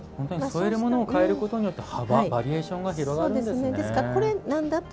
添えるものを変えることによって幅、バリエーションが広がるんですね。